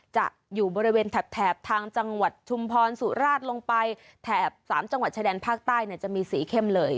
จะอยู่บริเวณแถบทางจังหวัดชุมพรสุราชลงไปแถบ๓จังหวัดชายแดนภาคใต้จะมีสีเข้มเลย